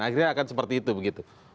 akhirnya akan seperti itu begitu